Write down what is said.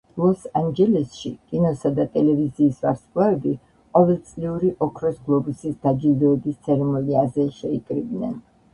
ლოს ანჯელესში კინოსა და ტელევიზიის ვარსკვლავები ყოველწლიური „ოქროს გლობუსის“ დაჯილდოების ცერემონიაზე შეიკრიბნენ.